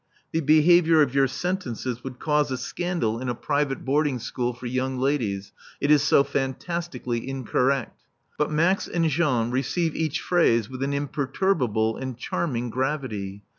The behaviour of your sentences would cause a scandal in a private boarding school for young ladies, it is so fantastically incorrect. But Max and Jean receive each phrase with an imperturbable and charming gravity.